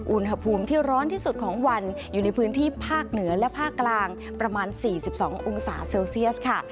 อุณหภูมิที่ร้อนที่สุดของวันอยู่ในพื้นที่ภาคเหนือและภาคกลางประมาณ๔๒องศาเซลเซียสค่ะ